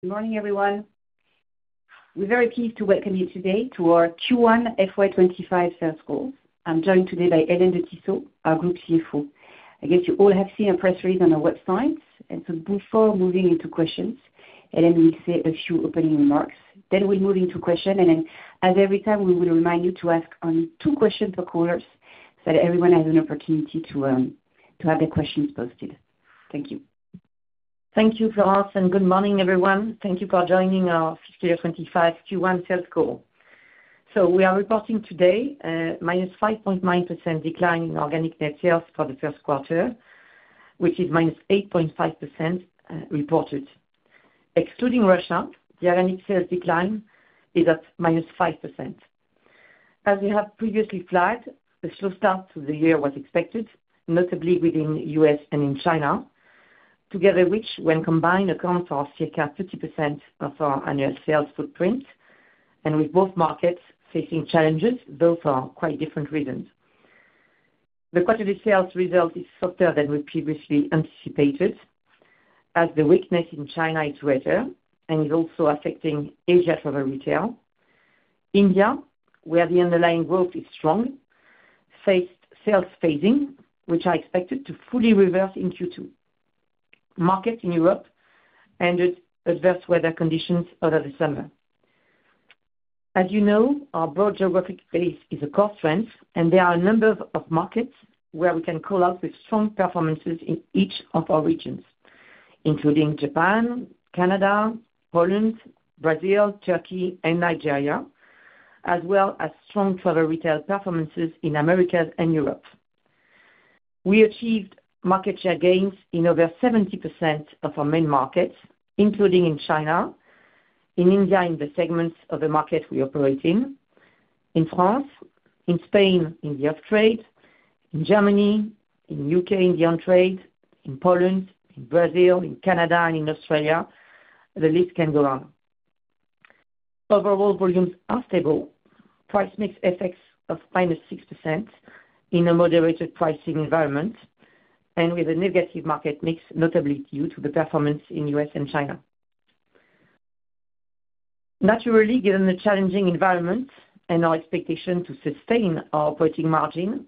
Good morning, everyone. We're very pleased to welcome you today to our Q1 FY 2025 sales call. I'm joined today by Hélène de Tissot, our group CFO. I guess you all have seen our press release on our website, and so before moving into questions, Hélène will say a few opening remarks. Then we'll move into questions, and then, as every time, we will remind you to ask only two questions per caller, so that everyone has an opportunity to have their questions posted. Thank you. Thank you, Florence, and good morning, everyone. Thank you for joining our fiscal year 2025 Q1 sales call. So we are reporting today, -5.9% decline in organic net sales for the first quarter, which is -8.5% reported. Excluding Russia, the organic sales decline is at -5%. As we have previously flagged, the slow start to the year was expected, notably within U.S. and in China, together, which, when combined, account for circa 50% of our annual sales footprint, and with both markets facing challenges, those are quite different reasons. The quarterly sales result is softer than we previously anticipated, as the weakness in China is greater and is also affecting Asia travel retail. India, where the underlying growth is strong, faced sales phasing, which are expected to fully reverse in Q2. Market in Europe, and with adverse weather conditions over the summer. As you know, our broad geographic base is a core strength, and there are a number of markets where we can call out with strong performances in each of our regions, including Japan, Canada, Poland, Brazil, Turkey, and Nigeria, as well as strong travel retail performances in Americas and Europe. We achieved market share gains in over 70% of our main markets, including in China, in India, in the segments of the market we operate in, in France, in Spain, in the off-trade, in Germany, in U.K., in the on-trade, in Poland, in Brazil, in Canada, and in Australia, the list can go on. Overall volumes are stable. Price mix effects of -6% in a moderated pricing environment, and with a negative market mix, notably due to the performance in U.S. and China. Naturally, given the challenging environment and our expectation to sustain our operating margin,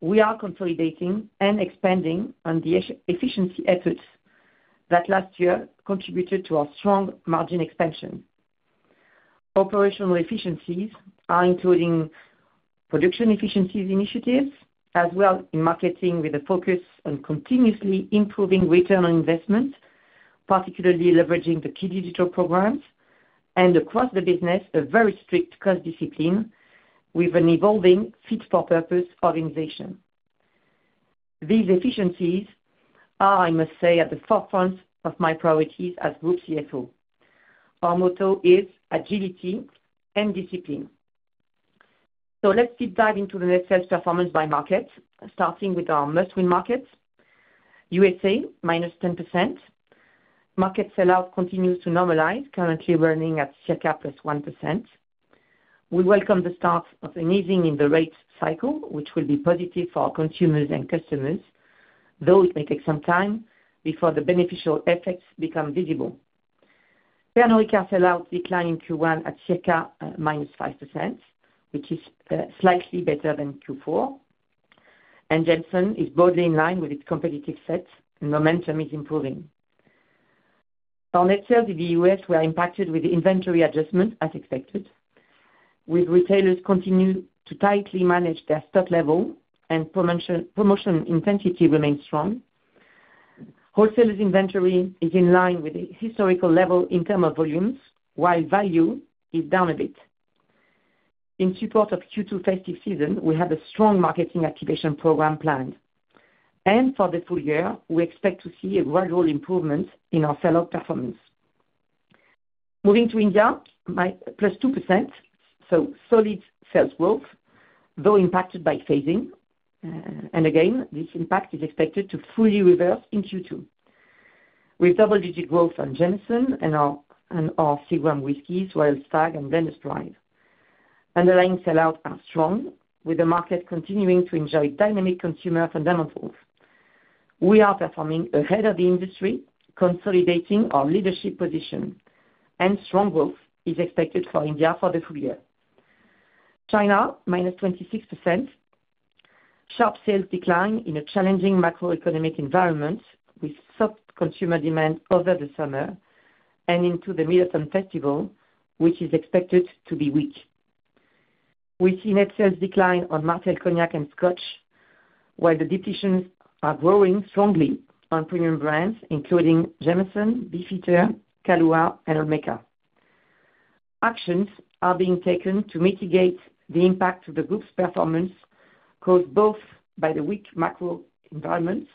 we are consolidating and expanding on the efficiency efforts that last year contributed to our strong margin expansion. Operational efficiencies are including production efficiencies initiatives, as well in marketing, with a focus on continuously improving return on investment, particularly leveraging the key digital programs, and across the business, a very strict cost discipline with an evolving fit-for-purpose organization. These efficiencies are, I must say, at the forefront of my priorities as Group CFO. Our motto is agility and discipline. So let's deep dive into the net sales performance by market, starting with our must-win markets. USA, -10%. Market sell-out continues to normalize, currently running at circa +1%. We welcome the start of an easing in the rate cycle, which will be positive for our consumers and customers, though it may take some time before the beneficial effects become visible. Pernod Ricard sell-outs decline in Q1 at circa -5%, which is slightly better than Q4, and Jameson is broadly in line with its competitive set, and momentum is improving. Our net sales in the U.S. were impacted with the inventory adjustment, as expected. With retailers continue to tightly manage their stock level and promotion, promotion intensity remains strong. Wholesalers inventory is in line with the historical level in terms of volumes, while value is down a bit. In support of Q2 festive season, we have a strong marketing activation program planned, and for the full year, we expect to see a gradual improvement in our sell-out performance. Moving to India, +2%, so solid sales growth, though impacted by phasing, and again, this impact is expected to fully reverse in Q2. With double-digit growth on Jameson and our Seagram's whiskies, Royal Stag and Blenders Pride. Underlying sell-outs are strong, with the market continuing to enjoy dynamic consumer fundamentals. We are performing ahead of the industry, consolidating our leadership position, and strong growth is expected for India for the full year. China, -26%. Sharp sales decline in a challenging macroeconomic environment, with soft consumer demand over the summer and into the Mid-Autumn Festival, which is expected to be weak. We see net sales decline on Martell Cognac and Scotch, while the divisions are growing strongly on premium brands, including Jameson, Beefeater, Kahlúa, and Olmeca. Actions are being taken to mitigate the impact of the group's performance, caused both by the weak macro environment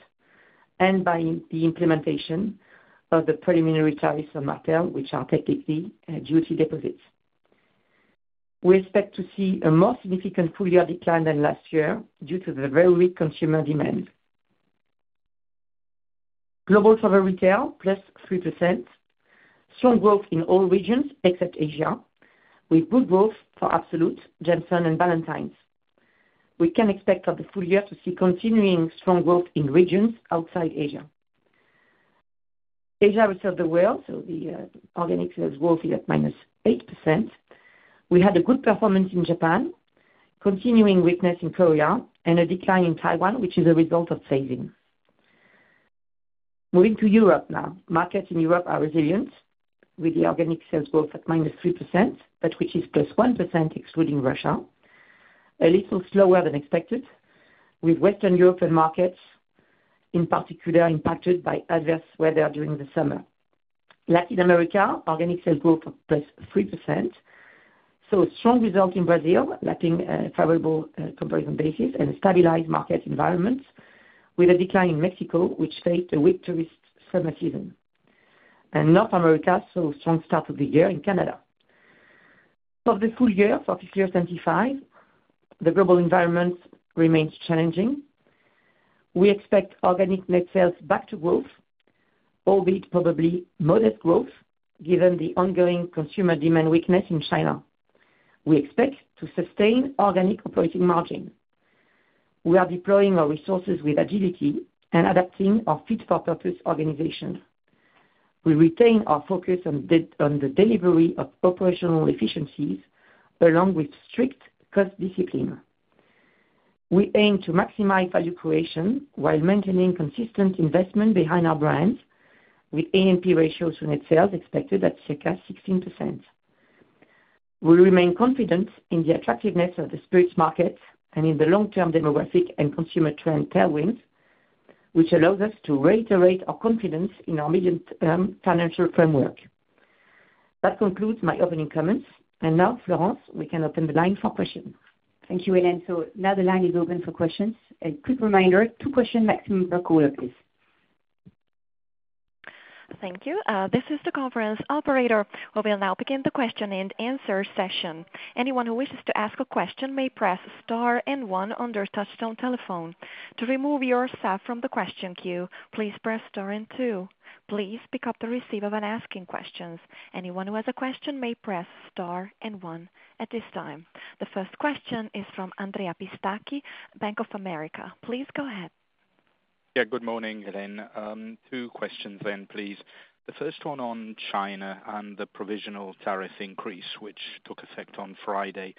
and by the implementation of the preliminary tariffs on Martell, which are technically, duty deposits. We expect to see a more significant full year decline than last year due to the very weak consumer demand. Global Travel Retail +3%. Strong growth in all regions except Asia, with good growth for Absolut, Jameson, and Ballantine's. We can expect for the full year to see continuing strong growth in regions outside Asia. Asia, rest of the world, so the organic sales growth is at -8%. We had a good performance in Japan, continuing weakness in Korea, and a decline in Taiwan, which is a result of saving. Moving to Europe now. Markets in Europe are resilient, with the organic sales growth at -3%, but which is +1% excluding Russia, a little slower than expected, with Western European markets in particular impacted by adverse weather during the summer. Latin America, organic sales growth of +3%, saw a strong result in Brazil, lacking a favorable comparison basis and a stabilized market environment, with a decline in Mexico, which faced a weak tourist summer season. And North America saw a strong start of the year in Canada. For the full year, for fiscal 2025, the global environment remains challenging. We expect organic net sales back to growth, albeit probably modest growth, given the ongoing consumer demand weakness in China. We expect to sustain organic operating margin. We are deploying our resources with agility and adapting our fit-for-purpose organization. We retain our focus on the delivery of operational efficiencies, along with strict cost discipline. We aim to maximize value creation while maintaining consistent investment behind our brands, with A&P ratios on net sales expected at circa 16%. We remain confident in the attractiveness of the spirits market and in the long-term demographic and consumer trend tailwinds, which allows us to reiterate our confidence in our medium-term financial framework. That concludes my opening comments. And now, Florence, we can open the line for questions. Thank you, Hélène. So now the line is open for questions. A quick reminder, two questions maximum per caller, please. Thank you. This is the conference operator. We will now begin the question-and-answer session. Anyone who wishes to ask a question may press star and one on their touchtone telephone. To remove yourself from the question queue, please press star and two. Please pick up the receiver when asking questions. Anyone who has a question may press star and one at this time. The first question is from Andrea Pistacchi, Bank of America. Please go ahead. Yeah, good morning, Hélène. Two questions then, please. The first one on China and the provisional tariff increase, which took effect on Friday.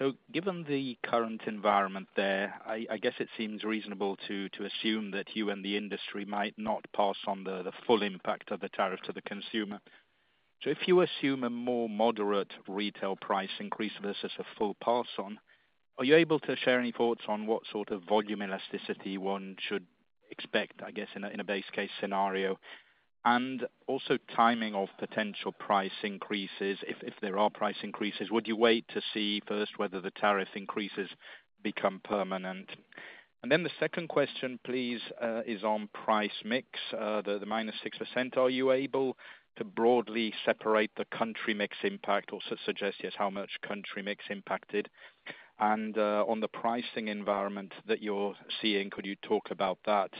So given the current environment there, I guess it seems reasonable to assume that you and the industry might not pass on the full impact of the tariff to the consumer. So if you assume a more moderate retail price increase versus a full pass on, are you able to share any thoughts on what sort of volume elasticity one should expect, I guess, in a base case scenario? And also timing of potential price increases, if there are price increases, would you wait to see first whether the tariff increases become permanent? And then the second question, please, is on price mix. The -6%, are you able to broadly separate the country mix impact or suggest, yes, how much country mix impacted? And, on the pricing environment that you're seeing, could you talk about that,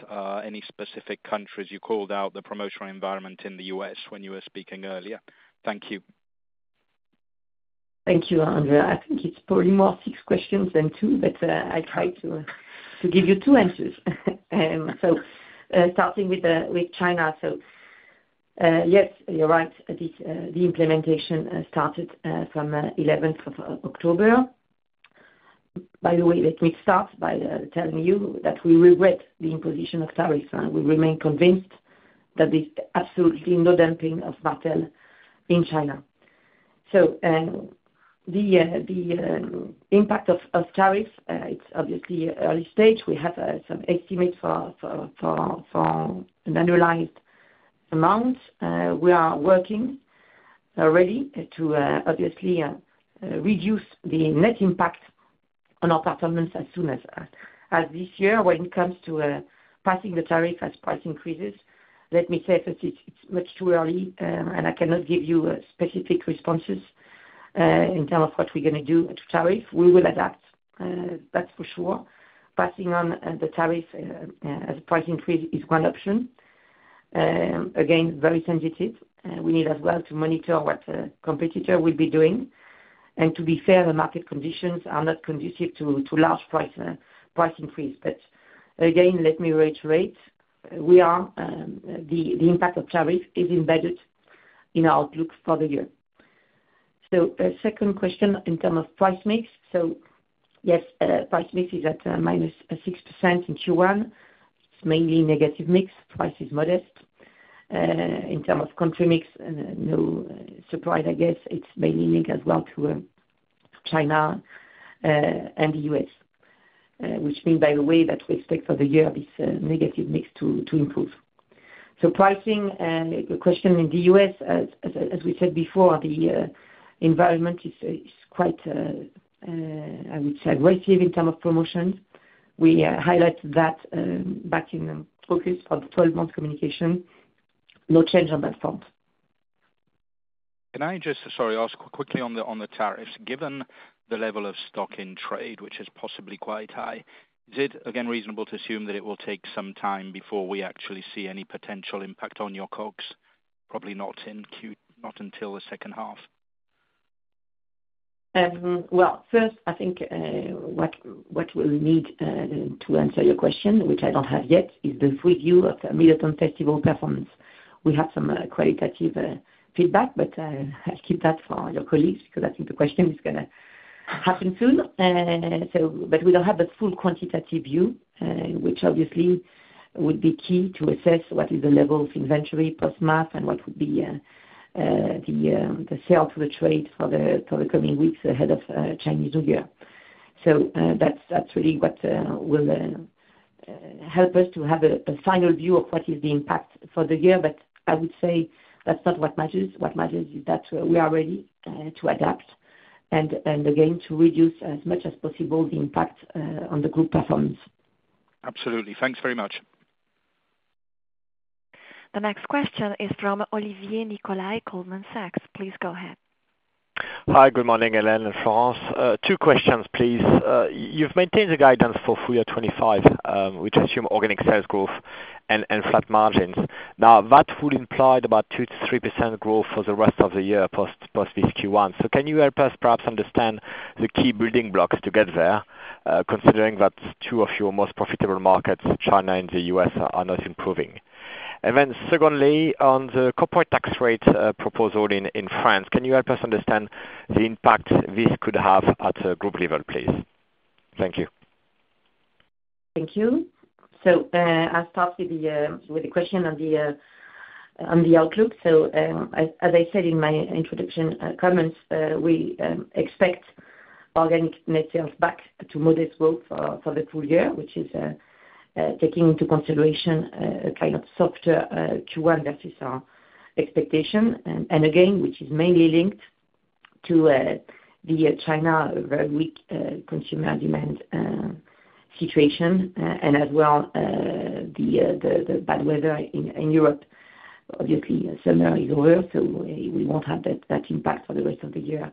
any specific countries you called out the promotional environment in the U.S. when you were speaking earlier? Thank you. Thank you, Andrea. I think it's probably more like six questions than two, but I'll try to give you two answers. So, starting with China, yes, you're right. The implementation started from the eleventh of October. By the way, let me start by telling you that we regret the imposition of tariffs, and we remain convinced that there's absolutely no dumping at all in China. So, the impact of tariffs, it's obviously early stage. We have some estimates for annualized amounts. We are working already to obviously reduce the net impact on our performance as soon as this year. When it comes to passing the tariff as price increases, let me say that it's much too early, and I cannot give you specific responses in terms of what we're gonna do to tariff. We will adapt, that's for sure. Passing on the tariff as a price increase is one option. Again, very sensitive. We need as well to monitor what the competitor will be doing. And to be fair, the market conditions are not conducive to large price increase. But again, let me reiterate, the impact of tariff is embedded in our outlook for the year. So second question in terms of price mix. So yes, price mix is at -6% in Q1. It's mainly negative mix. Price is modest. In terms of country mix, no surprise, I guess. It's mainly linked as well to China and the U.S., which means, by the way, that we expect for the year this negative mix to improve. So pricing, the question in the U.S., as we said before, the environment is quite, I would say, aggressive in terms of promotions. We highlight that back in focus for the twelve-month communication. No change on that front. Can I just, sorry, ask quickly on the tariffs? Given the level of stock in trade, which is possibly quite high, is it again reasonable to assume that it will take some time before we actually see any potential impact on your COGS? Probably not in Q1, not until the second half? Well, first, I think what we'll need to answer your question, which I don't have yet, is the full view of the Mid-Autumn Festival performance. We have some qualitative feedback, but I'll keep that for your colleagues, because I think the question is gonna happen soon. So but we don't have the full quantitative view, which obviously would be key to assess what is the level of inventory post-Mid-Autumn, and what would be the sell-in to the trade for the coming weeks ahead of Chinese New Year. So, that's really what will help us to have a final view of what is the impact for the year. But I would say that's not what matters. What matters is that we are ready to adapt, and again, to reduce as much as possible the impact on the group performance. Absolutely. Thanks very much. The next question is from Olivier Nicolai, Goldman Sachs. Please go ahead. Hi, good morning, Hélène and Florence. Two questions, please. You've maintained the guidance for full year 2025, which assume organic sales growth and, and flat margins. Now, that would imply about 2% to 3% growth for the rest of the year, post this Q1. So can you help us perhaps understand the key building blocks to get there, considering that two of your most profitable markets, China and the U.S., are not improving? And then secondly, on the corporate tax rate proposal in France, can you help us understand the impact this could have at a group level, please? Thank you. Thank you. So, I'll start with the question on the outlook. So, as I said in my introduction, comments, we expect organic net sales back to modest growth for the full year, which is taking into consideration a kind of softer Q1 versus our expectation. And again, which is mainly linked to the China very weak consumer demand situation, and as well, the bad weather in Europe. Obviously, summer is over, so we won't have that impact for the rest of the year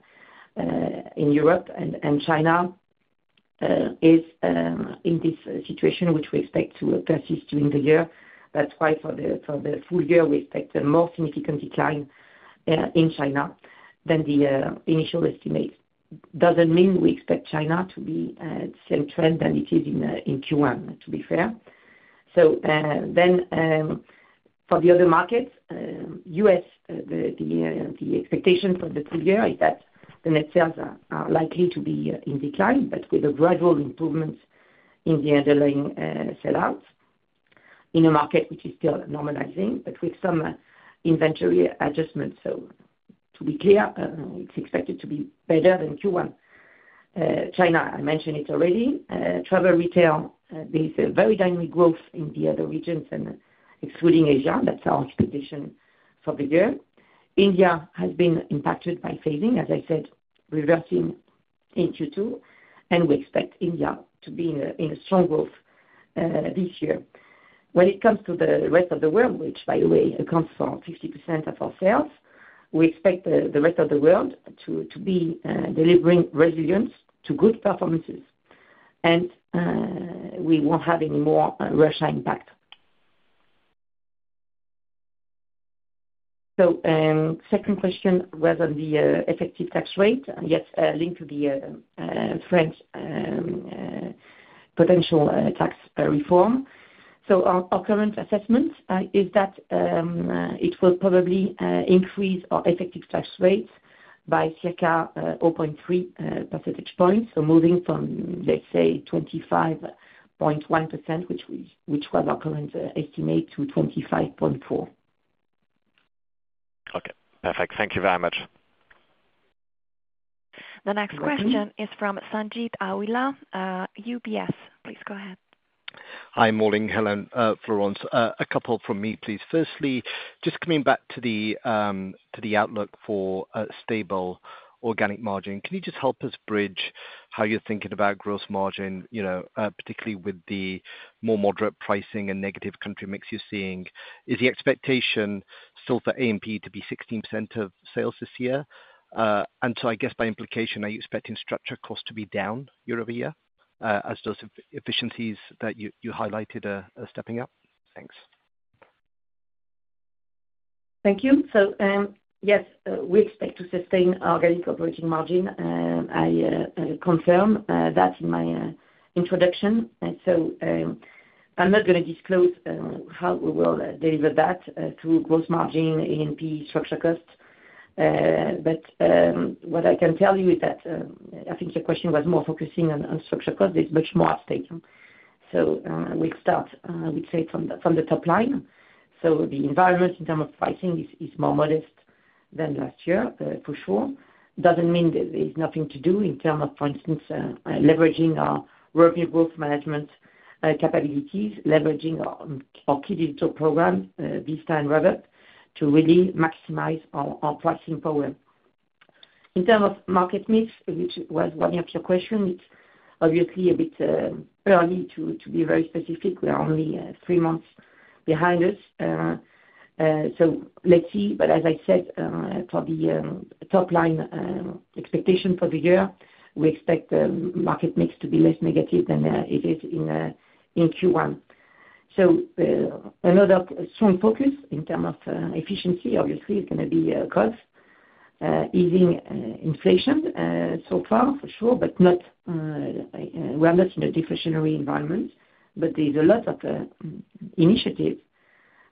in Europe. And China is in this situation, which we expect to persist during the year. That's why for the full year, we expect a more significant decline in China than the initial estimate. Doesn't mean we expect China to be same trend than it is in Q1, to be fair. So then for the other markets, U.S., the expectation for the full year is that the net sales are likely to be in decline, but with a gradual improvements in the underlying sellouts in a market which is still normalizing, but with some inventory adjustments. So to be clear, it's expected to be better than Q1. China, I mentioned it already. Travel retail, there's a very dynamic growth in the other regions and excluding Asia. That's our expectation for the year. India has been impacted by fading, as I said, reversing in Q2, and we expect India to be in a strong growth this year. When it comes to the rest of the world, which by the way, accounts for 60% of our sales, we expect the rest of the world to be delivering resilience to good performances, and we won't have any more Russia impact. Second question was on the effective tax rate and, yes, linked to the French potential tax reform. Our current assessment is that it will probably increase our effective tax rate by circa 0.3 percentage points. Moving from, let's say, 25.1%, which was our current estimate, to 25.4%. Okay. Perfect. Thank you very much. The next question is from Sanjeet Aujla, UBS. Please go ahead. Hi. Morning, Hélène, Florence. A couple from me, please. Firstly, just coming back to the outlook for a stable organic margin, can you just help us bridge how you're thinking about gross margin, you know, particularly with the more moderate pricing and negative country mix you're seeing? Is the expectation still for A&P to be 16% of sales this year? And so I guess by implication, are you expecting structural costs to be down year-over-year, as those efficiencies that you highlighted are stepping up? Thanks. Thank you. Yes, we expect to sustain organic operating margin. I confirm that in my introduction. I'm not gonna disclose how we will deliver that through gross margin, A&P, structural costs. What I can tell you is that I think the question was more focusing on structural costs. It's much more stable. We'll start, we'd say from the top line. The environment in terms of pricing is more modest than last year, for sure. Doesn't mean that there's nothing to do in terms of, for instance, leveraging our working growth management capabilities, leveraging our key digital program, Vista and Radar, to really maximize our pricing power. In terms of market mix, which was one of your questions, it's obviously a bit early to be very specific. We are only three months behind us, so let's see, but as I said, for the top line expectation for the year, we expect the market mix to be less negative than it is in Q1, so another strong focus in terms of efficiency obviously is gonna be cost, easing inflation so far for sure, but we are not in a deflationary environment. But there's a lot of initiative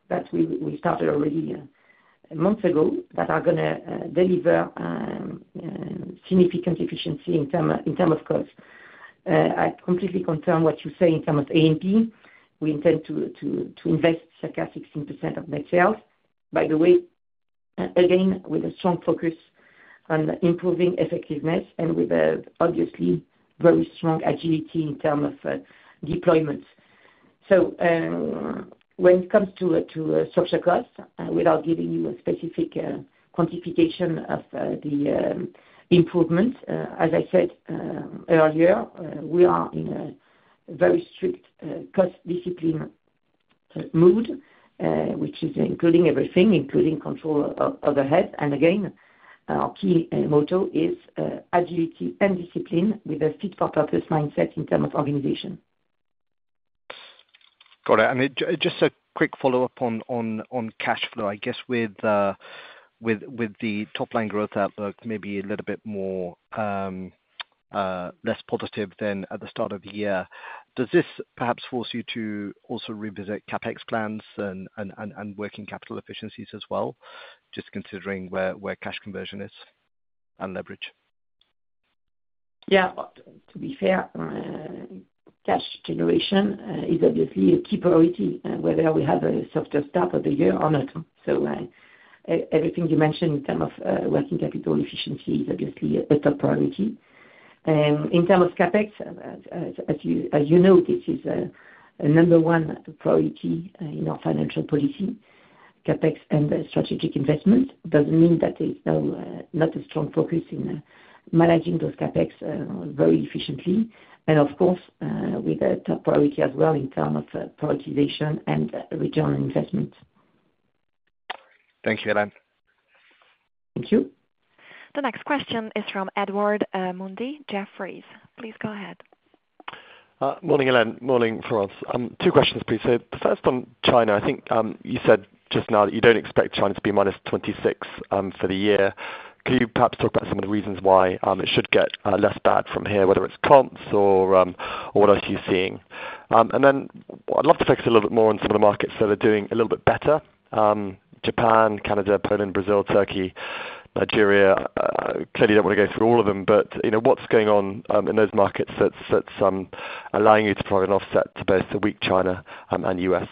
that we started already months ago that are gonna deliver significant efficiency in terms of cost. I completely confirm what you say in terms of A&P. We intend to invest circa 16% of net sales. By the way, again, with a strong focus on improving effectiveness and with an obviously very strong agility in terms of deployments. So, when it comes to social cost, without giving you a specific quantification of the improvement, as I said earlier, we are in a very strict cost discipline mode, which is including everything, including control of overhead. And again, our key motto is agility and discipline with a fit for purpose mindset in terms of organization. Got it. And just a quick follow-up on cash flow. I guess, with the top line growth outlook, maybe a little bit more less positive than at the start of the year, does this perhaps force you to also revisit CapEx plans and working capital efficiencies as well, just considering where cash conversion is, and leverage? Yeah. To be fair, cash generation is obviously a key priority, whether we have a softer start of the year or not. So, everything you mentioned in terms of working capital efficiency is obviously a top priority. In terms of CapEx, as you know, this is a number one priority in our financial policy. CapEx and strategic investment doesn't mean that there's no not a strong focus in managing those CapEx very efficiently, and of course, with a top priority as well in terms of prioritization and return on investment. Thank you, Hélène. Thank you. The next question is from Edward Mundy, Jefferies. Please go ahead. Morning, Hélène, morning, Florence. Two questions, please. So the first on China, I think, you said just now that you don't expect China to be minus twenty-six, for the year. Can you perhaps talk about some of the reasons why, it should get, less bad from here, whether it's comps or, what else you're seeing? And then I'd love to focus a little bit more on some of the markets that are doing a little bit better, Japan, Canada, Poland, Brazil, Turkey, Nigeria. Clearly, don't want to go through all of them, but, you know, what's going on, in those markets that's, allowing you to provide an offset to both the weak China, and US?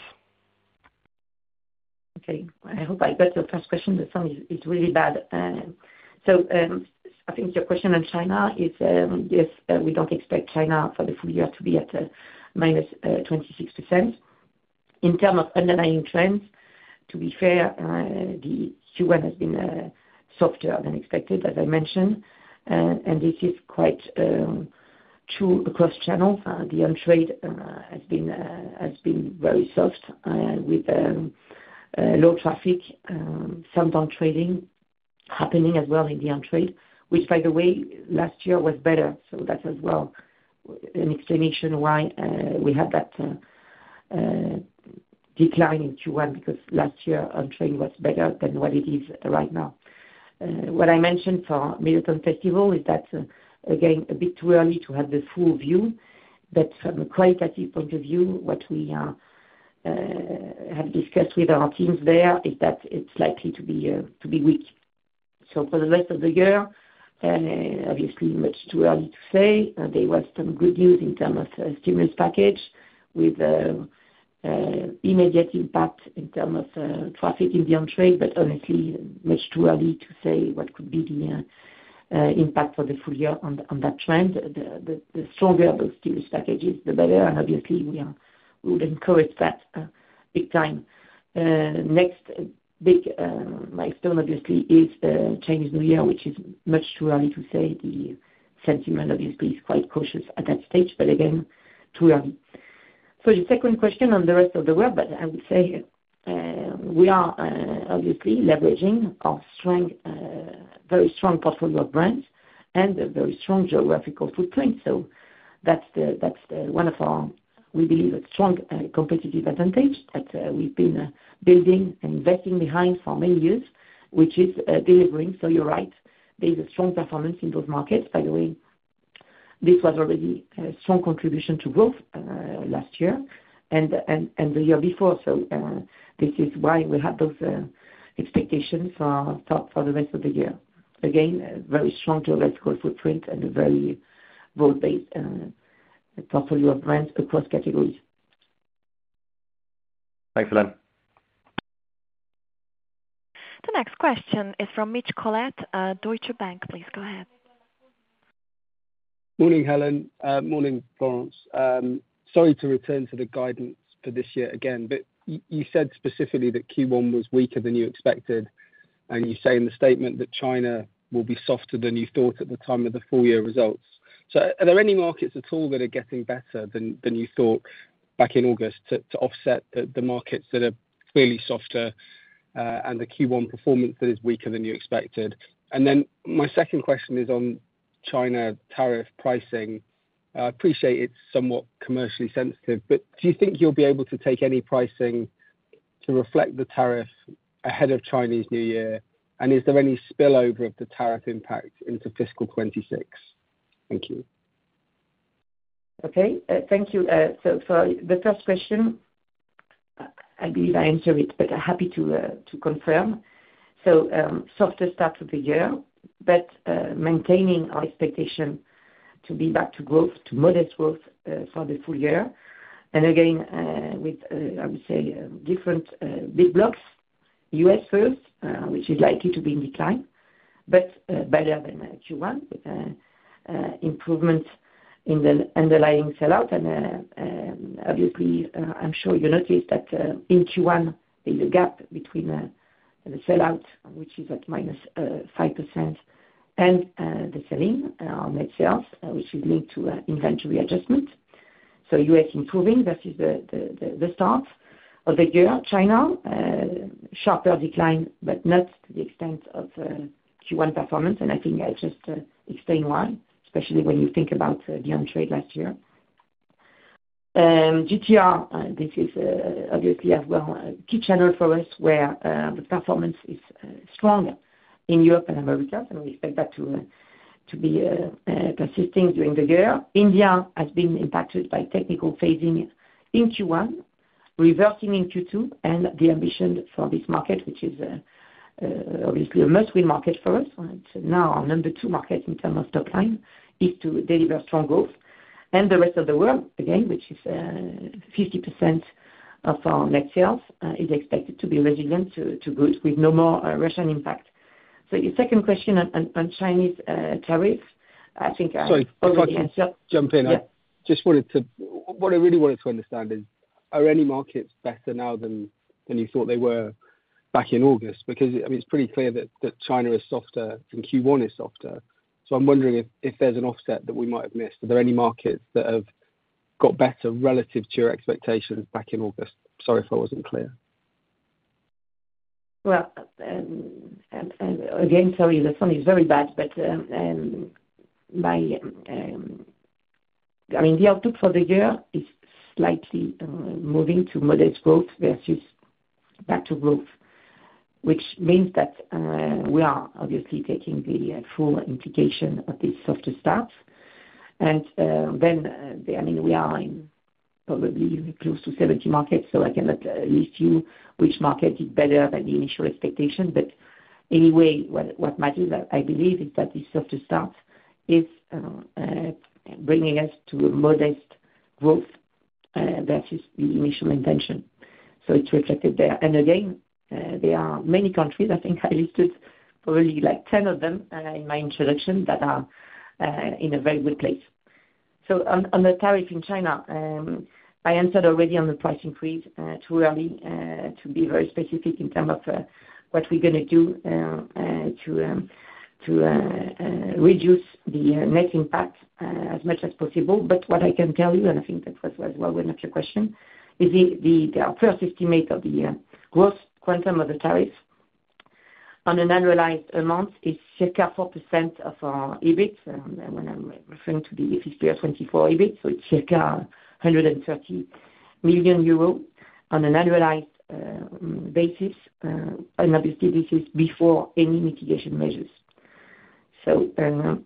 Okay. I hope I got the first question. The sound is really bad. So, I think your question on China is yes, we don't expect China for the full year to be at minus 26%. In terms of underlying trends, to be fair, the Q1 has been softer than expected, as I mentioned, and this is quite true across channels. The on trade has been very soft, with low traffic, some down trading happening as well in the on trade. Which, by the way, last year was better, so that's as well an explanation why we had that decline in Q1, because last year on trade was better than what it is right now. What I mentioned for Mid-Autumn Festival is that, again, a bit too early to have the full view, but from a qualitative point of view, what we have discussed with our teams there is that it's likely to be weak. So for the rest of the year, and obviously much too early to say, there was some good news in term of stimulus package with immediate impact in term of traffic in the on-trade, but honestly, much too early to say what could be the impact for the full year on that trend. The stronger those stimulus package is, the better, and obviously we would encourage that big time. Next big milestone obviously is Chinese New Year, which is much too early to say. The sentiment obviously is quite cautious at that stage, but again, too early. So the second question on the rest of the world, but I would say we are obviously leveraging our strong, very strong portfolio of brands and a very strong geographical footprint. So that's one of our. We believe a strong competitive advantage that we've been building and investing behind for many years, which is delivering. So you're right, there is a strong performance in those markets. By the way, this was already a strong contribution to growth last year and the year before. So this is why we have those expectations for the rest of the year. Again, a very strong geographical footprint and a very broad base portfolio of brands across categories. Thanks, Hélène. The next question is from Mitch Collett, Deutsche Bank. Please go ahead. Morning, Hélène. Morning, Florence. Sorry to return to the guidance for this year again, but you said specifically that Q1 was weaker than you expected, and you say in the statement that China will be softer than you thought at the time of the full year results. So are there any markets at all that are getting better than you thought back in August, to offset the markets that are clearly softer, and the Q1 performance that is weaker than you expected? And then my second question is on China tariff pricing. I appreciate it's somewhat commercially sensitive, but do you think you'll be able to take any pricing to reflect the tariffs ahead of Chinese New Year? And is there any spillover of the tariff impact into fiscal 2026? Thank you. Okay, thank you. The first question, I believe I answered it, but happy to confirm, so softer start to the year, but maintaining our expectation to be back to growth, to modest growth, for the full year. And again, with, I would say, different big blocks, U.S. first, which is likely to be in decline, but better than Q1, with improvements in the underlying sell-out. And obviously, I'm sure you noticed that, in Q1, there's a gap between the sell-out, which is at -5%, and the sell-in on net sales, which would lead to inventory adjustment, so U.S. improving versus the start of the year. China, sharper decline, but not to the extent of Q1 performance, and I think I just explain why, especially when you think about the on-trade last year. GTR, this is obviously as well a key channel for us, where the performance is strong in Europe and Americas, and we expect that to be persisting during the year. India has been impacted by technical phasing in Q1, reversing in Q2, and the ambition for this market, which is obviously a must-win market for us. It's now our number two market in terms of top line, is to deliver strong growth. And the rest of the world, again, which is 50% of our net sales, is expected to be resilient to good, with no more Russian impact. So your second question on Chinese tariffs, I think I- Sorry, if I could just jump in. Yeah. I just wanted to. What I really wanted to understand is, are any markets better now than you thought they were back in August? Because, I mean, it's pretty clear that China is softer and Q1 is softer. So I'm wondering if there's an offset that we might have missed. Are there any markets that have got better relative to your expectations back in August? Sorry if I wasn't clear. Again, sorry, the sound is very bad, but I mean, the outlook for the year is slightly moving to modest growth versus back to growth, which means that we are obviously taking the full implication of this softer start. I mean, we are in probably close to 70 markets, so I cannot list you which market is better than the initial expectation. But anyway, what matters, I believe, is that this softer start is bringing us to a modest growth versus the initial intention, so it's reflected there. Again, there are many countries. I think I listed probably like 10 of them in my introduction that are in a very good place. So on the tariff in China, I answered already on the pricing freeze, too early to be very specific in terms of what we're gonna do to reduce the net impact as much as possible. But what I can tell you, and I think that was, as well, one of your question, is our first estimate of the gross quantum of the tariff on an annualized amount is circa 4% of our EBIT, and when I'm referring to the fiscal 2024 EBIT, so it's circa 130 million euros on an annualized basis, and obviously this is before any mitigation measures. So,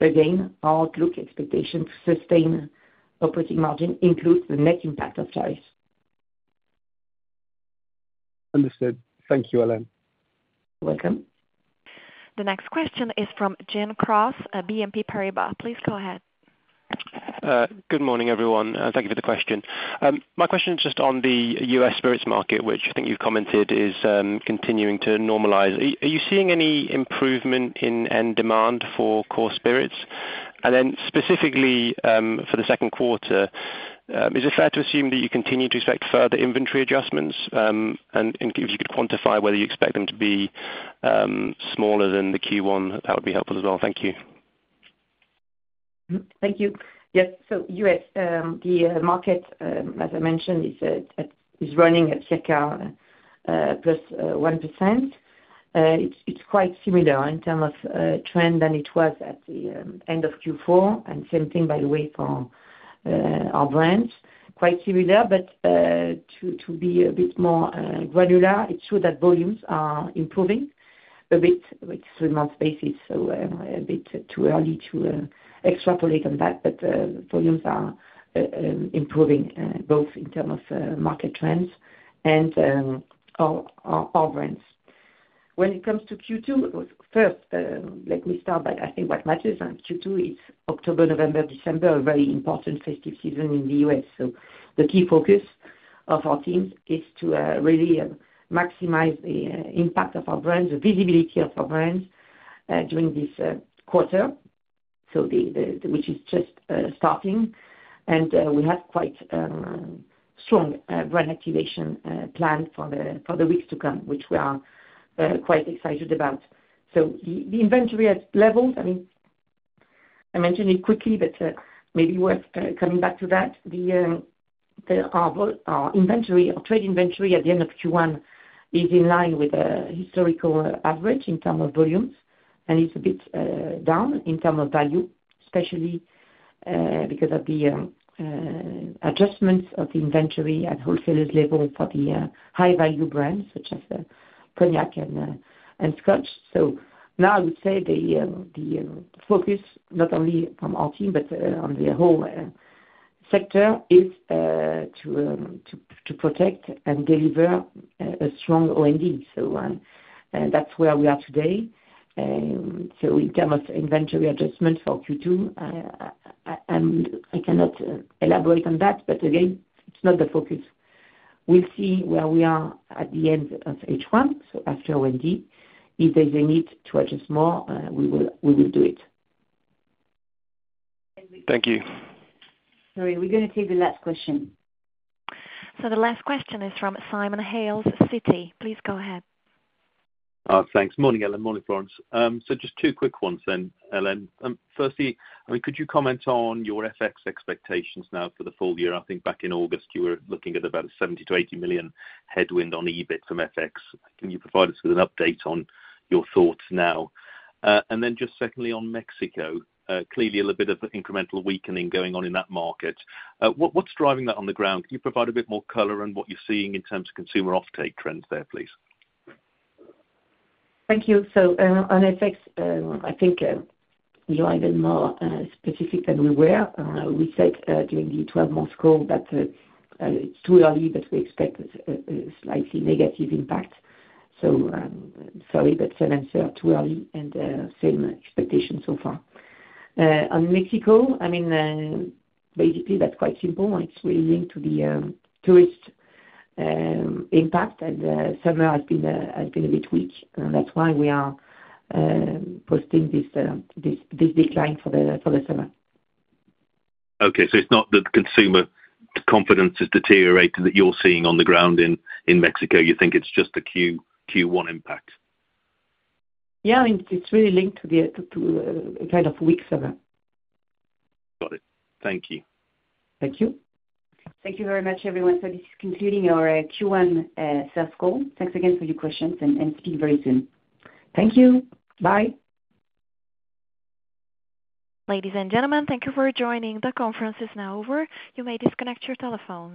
again, our outlook expectation to sustain operating margin includes the net impact of tariffs. Understood. Thank you, Hélène. You're welcome. The next question is from Jim Cross at BNP Paribas. Please go ahead. Good morning, everyone, and thank you for the question. My question is just on the U.S. spirits market, which I think you've commented is continuing to normalize. Are you seeing any improvement in end demand for core spirits? And then specifically, for the second quarter, is it fair to assume that you continue to expect further inventory adjustments? And if you could quantify whether you expect them to be smaller than the Q1, that would be helpful as well. Thank you. Thank you. Yes, so U.S., the market, as I mentioned, is running at circa +1%. It's quite similar in terms of trend than it was at the end of Q4, and same thing, by the way, for our brands. Quite similar, but to be a bit more granular, it's true that volumes are improving a bit, but it's three-month basis, so a bit too early to extrapolate on that. But volumes are improving both in terms of market trends and our brands. When it comes to Q2, first, let me start by, I think what matters in Q2 is October, November, December, a very important festive season in the U.S. So the key focus of our teams is to really maximize the impact of our brands, the visibility of our brands during this quarter. So the quarter, which is just starting. And we have quite strong brand activation planned for the weeks to come, which we are quite excited about. So the inventory levels, I mean, I mentioned it quickly, but maybe worth coming back to that. The inventory, our trade inventory at the end of Q1 is in line with historical average in terms of volumes, and it's a bit down in terms of value, especially because of the adjustments of the inventory at wholesalers level for the high-value brands such as the cognac and scotch. So now I would say the focus, not only from our team, but on the whole sector, is to protect and deliver a strong OND. And that's where we are today. So in terms of inventory adjustment for Q2, I cannot elaborate on that, but again, it's not the focus. We'll see where we are at the end of H1, so after OND. If there's a need to adjust more, we will do it. Thank you. Sorry, we're gonna take the last question. So the last question is from Simon Hales of Citi. Please go ahead. Thanks. Morning, Hélène, morning, Florence. Just two quick ones then, Hélène. Firstly, I mean, could you comment on your FX expectations now for the full year? I think back in August, you were looking at about 70-80 million headwind on EBIT from FX. Can you provide us with an update on your thoughts now? And then just secondly, on Mexico, clearly a little bit of incremental weakening going on in that market. What's driving that on the ground? Can you provide a bit more color on what you're seeing in terms of consumer offtake trends there, please? Thank you. So, on FX, I think you are even more specific than we were. We said during the twelve-month call that it's too early, but we expect a slightly negative impact. So, sorry, but same answer, too early and same expectation so far. On Mexico, I mean, basically, that's quite simple. It's really linked to the tourist impact, and summer has been a bit weak, and that's why we are posting this decline for the summer. Okay, so it's not that consumer confidence is deteriorating that you're seeing on the ground in Mexico, you think it's just a Q1 impact? Yeah, it's really linked to a kind of weak summer. Got it. Thank you. Thank you. Thank you very much, everyone. So this is concluding our Q1 sales call. Thanks again for your questions, and speak very soon. Thank you. Bye. Ladies and gentlemen, thank you for joining. The conference is now over. You may disconnect your telephone.